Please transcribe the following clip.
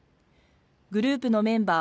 グループのメンバー